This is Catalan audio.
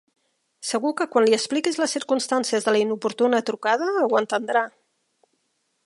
Segur que quan li expliquis les circumstàncies de la inoportuna trucada ho entendrà.